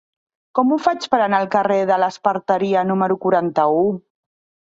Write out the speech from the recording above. Com ho faig per anar al carrer de l'Esparteria número quaranta-u?